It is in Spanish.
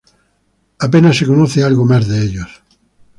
Apenas se conoce algo más de ellos.